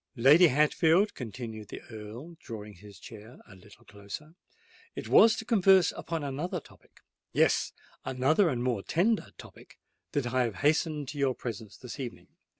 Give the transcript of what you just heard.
Lady Hatfield," continued the Earl, drawing his chair a little closer, "it was to converse upon another topic—yes, another and a more tender topic—that I have hastened to your presence this evening."